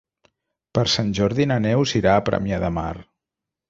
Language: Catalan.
Per Sant Jordi na Neus irà a Premià de Mar.